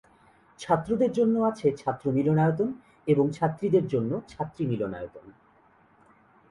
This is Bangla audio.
ছাত্রদের জন্য আছে ছাত্র মিলনায়তন এবং ছাত্রীদের জন্য ছাত্রী মিলনায়তন।